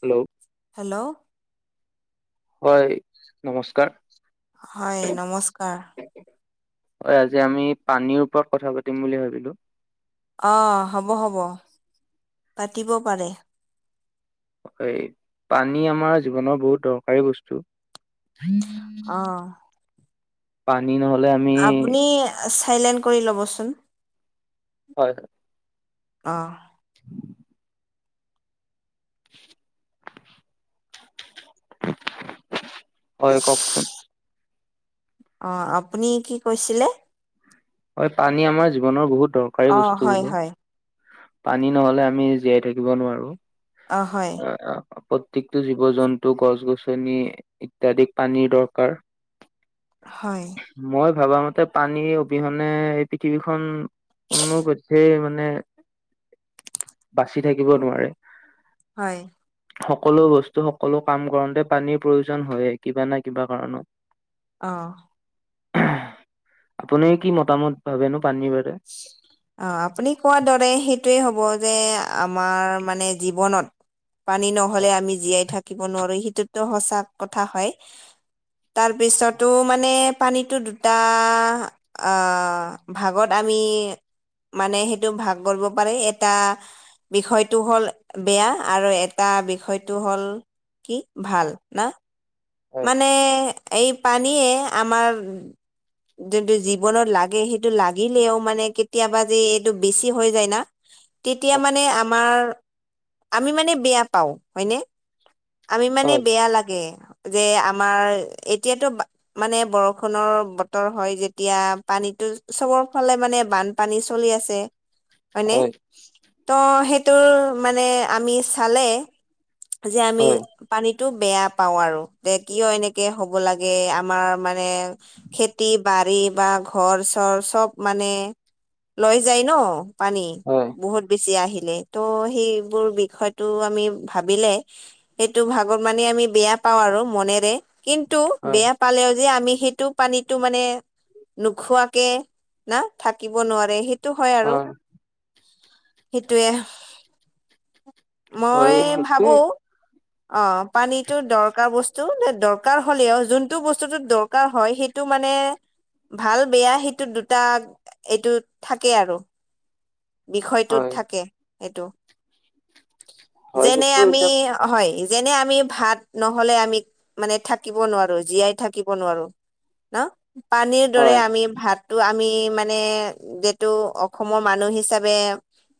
Hello, hello, হয় নমস্কাৰ। হয় নমস্কাৰ। হয় আজি আমি পানীৰ ওপৰত কথা পাতিম বুলি ভাবিছো। অ হ'ব হ'ব পাতিব পাৰে। এই পানী আমাৰ জীৱনৰ বহুত দৰকাৰী বস্তু। অ' পানী নহলে আমি। আপুনি চাইলেণ্ট কৰি ল'বচোন। হয়। অঁ, [inaudible] [inaudible] হয় কওকচোন। অ আপুনি কি কৈছিলে। হয় পানী আমাৰ জীৱনৰ বহুত দৰকাৰী অ' বস্তু হয় বোলো। হয় পানী নহলে আমি জীয়াই থাকিব নোৱাৰো অ অ, প্ৰত্যেকটো জীৱ-জন্তু গছ-গছনি ইত্যাদিক পানীৰ দৰকাৰ। [inaudible] হয়। মই ভাবা মতে পানী, অবিহনে এই পৃথিৱীখন কোনো পৈধেই মানে, বাচি থাকিব নোৱাৰে। হয়। সকলো বস্তু সকলো কাম কৰোতে পানীৰ প্ৰয়োজন হয়ে কিবা নহয় কিবা কাৰণত। অ আপুনি কি মতামত ভাবেনো পানীৰ বাবে। [inaudible] অ আপুনি কোৱাৰ দৰে সেইটোৱেই হ'ব যে আমাৰ মানে জীৱনত। পানী নহলে আমি জীয়াই থাকিব নোৱাৰো সেইটোতো সচা কথা হয়। তাৰপিছতো মানে পানীটো দুটা। অহ ভাগত আমি মানে সেইটো ভাগ কৰিব পাৰি সেই এটা, বিষয়টো হ'ল বেয়া আৰু এটা বিষয়টো হ'ল। কি ভাল না। হয় মানে এই পানীয়ে আমাৰ যোনটো জীৱনত লাগে সেইটো লাগিলেও মানে কেতিয়াবা যে এইটো বেছি হৈ যায় না। তেতিয়া মানে আমাৰ আমি মানে বেয়া পাওঁ হয়নে। আমি মানে হয় বেয়া লাগে যে আমাৰ এতিয়াতো মানে বৰষুণৰ বতৰ হয় যেতিয়া পানীটো চবৰ ফালে মানে বান পানী চলি আছে হয়নে। হয় ত সেইটোৰ মানে আমি চালে। যে আমি হয় পানীতটো বেয়া পাওঁ আৰু তে কিয় এনেকে হ'ব লাগে আমাৰ মানে খেতি-বাৰী বা ঘৰ-চৰ চব মানে লৈ যায় ন। পানী হয় বহুত বেছি আহিলে ত সেইবোৰ বিষয়টো আমি ভাবিলে। সেইটো ভাগক মানে আমি বেয়া পাও আৰু মনেৰে, কিন্তু হয় বেয়া পালেও যে, আমি সেইটো পানীটো মানে নোখোৱাকে না থাকিব নোৱাৰে, সেই টো হয় আৰু সেইটোৱে। [unintelligible] অঁ, পানীটো দৰকাৰ বস্তু, দৰকাৰ হ'লেও, যোনটো বস্তুটোতো দৰ কাৰ হয়, সেইটো মানে ভাল বেয়া সেইটো দুটা এইটো থাকে আৰু। বিষয়টোত হয় থাকে এইটো, হয় যেনে সেইটো আমি এতিয়া অঁ হয়। যেনে আমি ভাত নহ'লে, আমি মানে থাকিব নোৱাৰোঁ জীয়াই থাকিব নোৱাৰোঁ। ন, পানীৰ দৰে হয় আমি ভাতটো আমি মানে যিটো অসমৰ মানুহে হিচাপে,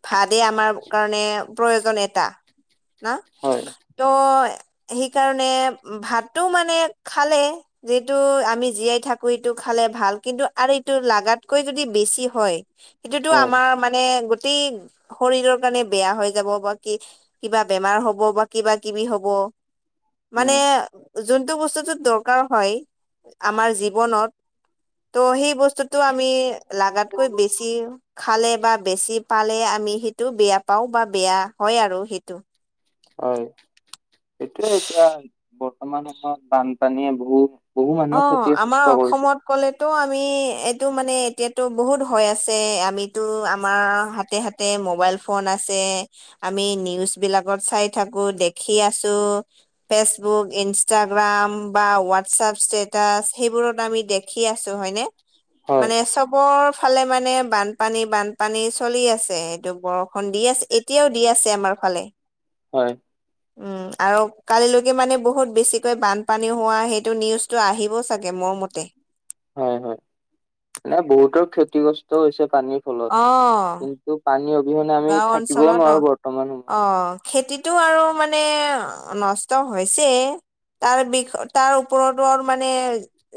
ভাদেই আমাৰ কাৰণে প্ৰয়োজন এটা না। হয় ত' সেইকাৰণে ভাতটো মানে খালে যিটো আমি জীয়াই থাকো, এইটো খালে ভাল কিন্তু, এইটো লাগাতকৈ যদি বেছি হয় সেইটোতো হয় আমাৰ মানে, গোটেই শৰীৰৰ কাৰণে বেয়া হৈ যাব বা কি কিবা বেমাৰ হ'ব বা কিবা-কিবি হ'ব, মানে উম যোনটো বস্তুটোত দৰকাৰ হয়, আমাৰ জীৱনত ত' সেই বস্তুতটো, আমি লাগাতকৈ বেছি খালে বা বেছি পালে আমি সেইটো বেয়া পাওঁ বা বেয়া হয় আৰু সেইটো হয়, এইটোৱে এতিয়া বৰ্তমান সময়ত বানপানীয়ে বহুত বহু অ মানুহক আমাৰ ক্ষতি-চুস্তি কৰিছে। অসমত ক'লেতো, আমি এইটো মানে এতিয়াতো বহুত হৈ আছে, আমিতো আমাৰ হাতে হা তে মোবাইল ফোন আছে। আমি নিউজবিলাকত চাই থাকোঁ, দেখি আছোঁ। ফেচবুক, ইনষ্টাগ্ৰাম বা হোৱাটছআপ ষ্টেটাছ, সেইবোৰত আমি দেখি আছোঁ হয় নে? হয় মানে চব চববৰ ফালে মানে, বানপানী, বানপানী চলি আছে, এইটো বৰষুণ দি আছ এতিয়াও দি আছে, আমাৰ ফালে। হয়। উম, আৰু কালিলৈকে, মানে বহুত বেছিকৈ বানপানী হোৱা সেইটো নিউজ টো আহিব চাগে, মোৰ মতে। হয় হয়, এনেই বহুতৰ ক্ষতিগ্ৰস্ত হৈছে পানীৰ ফলত, অ কি ন্তু, পানী অবিহনে আমি থাকিবও নোৱাৰোঁ বৰ্তমান। অঁ। খেতিটো আৰু মানে নষ্ট হৈছে। তাৰ বিষয় তাৰ ওপৰতো আৰু মানে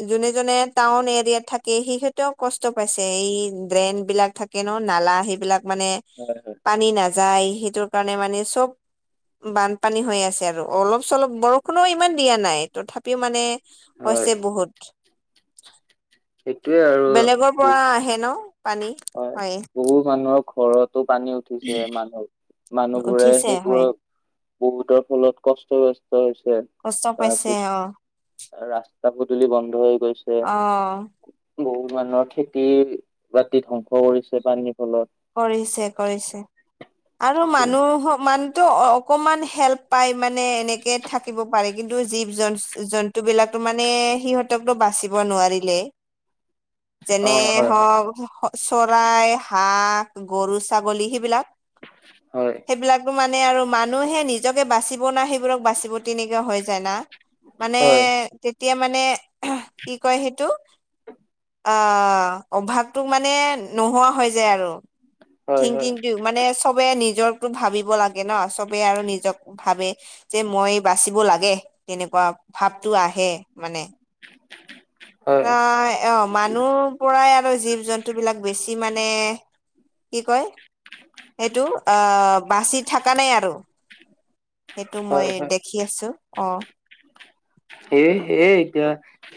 যোনে যোনে টাউন এৰিয়াত থাকে, সিহঁতেও কষ্ট পাইছে। এই ড্ৰেইন বিলাক থাক কে ন, নালা সেইবিলাক মানে হয় হয়। পানী নাযায় সেইটোৰ কাৰণে মানে চব বানপানী হৈ আছে আৰু অলপ চলপ বৰষুণো ইমান দিয়া নাই তথাপিও মানে হয় হৈছে বহুত। সেইটোৱে আৰু বেলেগৰ পৰা আহে ন পানী বহুত হয়। বহু মানুহৰ ঘৰতো পানী উঠিছে মানুহ মানুহবোৰে উঠিছে হয় সেইবোৰৰ বহুতৰ ফলত কষ্ট চস্ত হৈছে। কষ্ট পাইছে অঁ। ৰাস্তা‌ পদূলি বন্ধ হৈ গৈছে। অ, বহুত মানুহৰ খেতি-বাতি ধ্বংস কৰিছে পানীৰ, ফলত। কৰিছে, কৰিছে। আৰু মানুহ, মানুহতো অকমান হেল্প পায়, মানে এনেকে থাকিব পাৰে, কিন্তু জীৱ-জন্তুবিলাকো, মানে, সিহঁতকতো বাচিব নোৱাৰিলে। [inaudible] যেনে হয় হ'ওক চৰাই, হাঁহ, গৰু, ছাগলী, সেইবিলাক। হয়। সেইবিলাকটো, মানে, আৰু মানুহে নিজকে বাচিব না, সেইবোৰক বাচিব, তেনেকুৱা হৈ যায় না। মানে, হয় তেতিয়া মানে কি কয় সেইটো? অ, অভাৱটো মানে নোহোৱা হৈ যায় আৰু। হয় হয় থিংকিংটো, মানে চবে নিজকটো ভাবিব লাগে ন, চবে আৰু নিজক ভাবে। যে, মই বাচিব লাগে, তেনেকুৱা ভাবতো আহে মানে। [inaudible] হয় অ, মানুহ পৰাই আৰু জীৱ-জন্তু বিলাক বেছি মানে, কি কয়? সেইটো আহ, বাচি থকা নাই আৰু। সেইটো মই হয় হয় দেখি আছো। অ, এ, এই সে, এতিয়া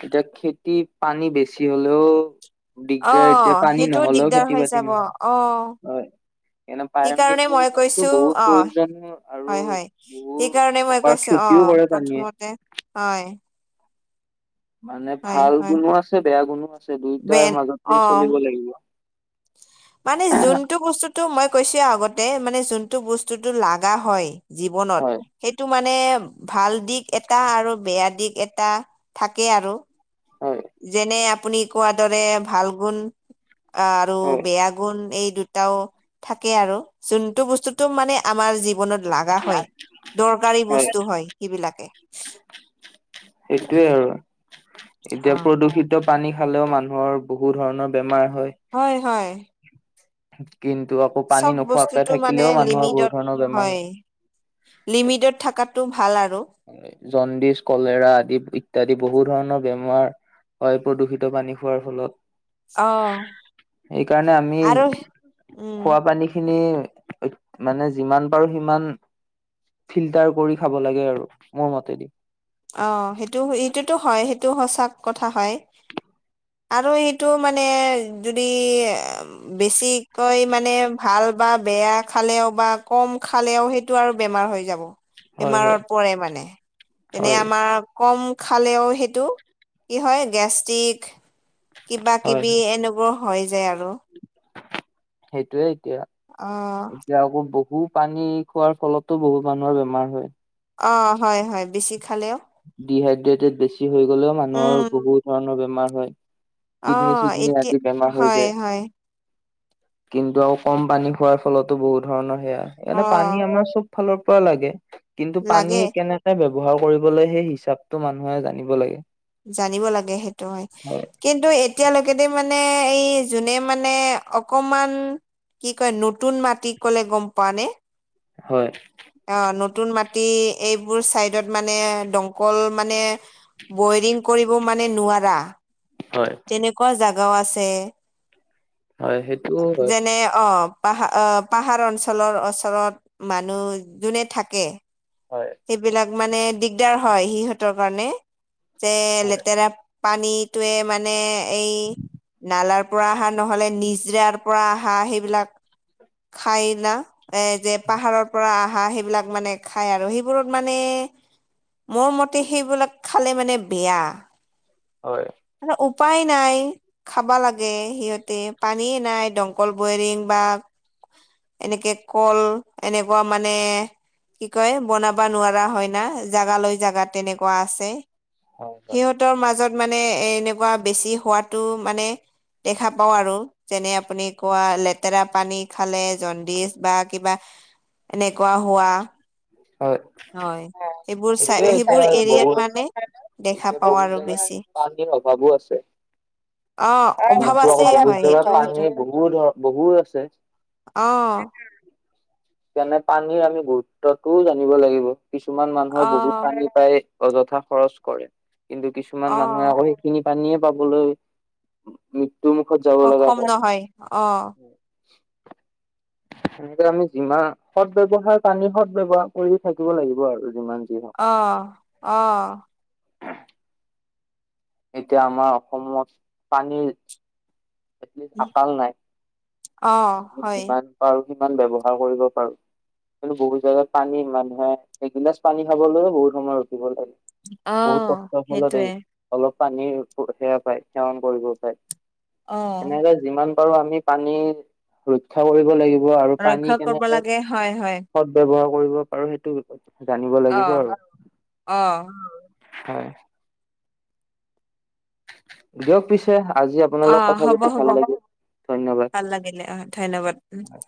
এতিয়া খেতি পানী বেছি হ'লেও অ দিগদাৰ এতিয়া পানী সেইটোও নহ'লেও দিগদাৰ হৈ খেতি-বাতি যাব নহয়, অ হয়। এনে পানীৰ সেইকাৰণে মই প্ৰয়োজনতো কৈছো বহুত অ প্ৰয়োজন আৰু হয় হয় বহুত সেইকাৰণে মই প্ৰকাৰ কৈছো অ ক্ষতিও কৰে। পানীয়ে। প্ৰথমতে, হয়। মানে হয় ভাল হয় গুণো আছে, বেয়া গুণো আছে, দুয়োটাৰ বেন মাজতে অ চলিব লাগিব। মানে যোনটো বস্তুতটো মই কৈছো আগতে, মানে যোনটো বস্তুটো লাগা হয় জীৱনত, হয় সেইটো মানে ভাল দিশ এটা আৰু বেয়া দিশ এটা থাকেই আৰু। হয়। যেনে, আপুনি কোৱাৰ দৰে ভাল গুণ অ, আৰু হয় বেয়া গুণ এই দুটাও থাকে আৰু, যোনটো বস্তুটো মানে আমাৰ জীৱনত লাগা হয়, দৰকাৰী বস্তু হয়, সেইবিলাকে। সেইটোৱে আৰু। এতিয়া অ প্ৰদূষিত পানী খালেও মানুহৰ বহু ধৰণৰ বেমাৰ হয়। হয়, হয়। কিন্তু আকৌ পানী চব নোখোৱাকে বস্তুটো মানে থাকিলেও, মানুহৰ বহুত লিমিটত ধৰণৰ বেমাৰ হয়। লিমিটত, থকাটো ভাল আৰু। জণ্ডিচ, কলেৰা আদি ইত্যাদি বহু ধৰণৰ বেমাৰ হয়, প্ৰদূষিত পানী খোৱাৰ ফলত। অ সেইকাৰণে আমি, আৰু উম খোৱা পানী খিনি মানে যিমান পাৰো সিমান, ফিল্টাৰ কৰি খাব লাগে আৰু। মোৰ, মতে দি। অ, সেইটো এইটোতো হয়, সেইটো সঁচা কথা হয়। আৰু এইটো মানে, যদি বেছিকৈ মানে ভাল বা বেয়া খালেও, বা কম খালেও সেই টো, আৰু বেমাৰ হৈ যাব হয় হয় বেমাৰত পৰে মানে। যেনে হয় আমাৰ কম খালেও সেইটো কি হয় গেষ্টিক, হয় কিবা-কিবি হয় এনেবোৰ হৈ যায় আৰু সেইটোয়েই এতিয়া অ এতিয়া আকৌ বহু পানী। খোৱাৰ ফলতো বহুত মানুহৰ বেমাৰ হয়। অ হয় হয় বেছি খালেও। ডিহাইড্ৰেটেড বেছি হৈ গ'লেও মানুহৰ উম বহু ধৰণৰ বেমাৰ হয়। অ কিডনী- চিডনী এতিয়া আদি বেমাৰ হৈ হয় যায়। হয় কিন্তু আৰু কম পানী খোৱাৰ ফলতো বহুত ধৰণৰ সেয়া, অ সেইকাৰণে পানী আমাৰ চব, ফালৰ পৰা লাগে কিন্তু পানী লাগে কেনেকে ব্যৱহাৰ কৰিব, সেই হিচাপটো মানুহে জানিব লাগে। জানিব লাগে সেইটো হয়। কিন্তু এতিয়ালৈকে দেই মানে এই যোনে মানে অকমান, কি কয় নতুন মাটি কলে গম পোৱা নে? হয়। অ নতুন মাটি এইবোৰ চাইডত মানে দমকল মানে। বৈৰিং কৰিব মানে নোৱাৰা। হয়। তেনেকুৱা জাগাও আছে হয় সেইটো হয় যেনে অ, পাহা অ' পাহাৰ অঞ্চলৰ ওচৰত মানুহ যোনে থাকে। হয়। সেইবিলাক মানে দিগদাৰ হয় সিহঁতৰ কাৰণে যে হয় লেতেৰা। পানীটোৱে মানে এই নালাৰ পৰা অহা নহ'লে নিজৰাৰ পৰা অহা সেইবিলাক। খাই না এ যে পাহাৰৰ পৰা আহা সেইবিলাক মানে। খাই আৰু সেইবোৰত মানে মোৰ মতে সেইবিলাক খালে মানে বেয়া। হয়। আৰু উপায় নাই। খাবা লাগে সিহঁতে পানীয়ে নাই দমকল বয়ৰিং বা। এনেকে ক'ল এনেকুৱা মানে। কি কয় বনাব নোৱাৰা হয় না জোগালৈ জাগা তেনেকুৱা আছে। হয় হয় সিহঁতৰ মাজত মানে এ এনেকুৱা বেছি হোৱাতো মানে। দেখা পাওঁ আৰু যেনে আপুনি কোৱা লেতেৰা পানী খালে জণ্ডিছ বা কিবা। এনেকুৱা হোৱা। হয় হয় সেইবোৰ চাই সেইটোৱে হৈছে সেইবোৰ এৰিয়াত বহুত, মানে দেখা এতিয়া পাওঁ বহুত আৰু জাগাত বেছি পানীৰ অভাৱো আছে। অ অভাৱ [unintelligible] আছে হয় বহুত ধৰা সেইটো সেইটো বহুত আছে। অ সেইকাৰণে পানীৰ আমি গুৰুত্বটোও জানিব লাগিব। কিছুমান মানুহে অ বহুত পানী পায়। অযথা খৰচ কৰে কিন্তু কিছুমান অ মানুহে আকৌ সেইখিনি পানীয়ে পাবলৈ। মৃত্যু মুখত যাব লগা সক্ষম হয় নহয় অ, সেনেকে আমি যিমান সদ ব্যৱহাৰ পানী সদ ব্যৱহাৰ কৰি থাকিব লাগিব আৰু যিমান যি হওক। অ অ। এতিয়া আমাৰ অসমত পানীৰ, আকাল নাই‌ অ আ হয় যিমান, আৰু কিমান ব্যৱহাৰ কৰিব পাৰোঁ। [unintelligible] কিন্তু বহুত জেগাত পানী, মানুহে এগিলাচ পানী খাবলৈয়ো বহুত সময় ৰখিব লাগে। অ [unintelligible] বহুত কষ্ট ফলত সেইটোৱে [unintelligible] অলপ পানীৰ সেৱা পায়, সেৱন কৰিব পায়। অ সেনেকে [unintelligible] যিমান পাৰো আমি পানী ৰক্ষা কৰিব লাগিব আৰু ৰক্ষা পানী কৰিব কেনেকে লাগে হয় হয় [inaudible] শত ব্যৱহাৰ কৰিব পাৰো সেইটো বিষয়ে জানিব অ লাগিব আৰু। [unintelligible] অ হয় [unintelligible] দিয়ক পিছে আজি আপোনাৰ অ লগত কথা হ'ব পাতি হ'ব ভাল লাগিল ধন্যবাদ। [unintelligible] [unintelligible] ভাল লাগিলে অঁ ধন্যবাদ। উম [unintelligible]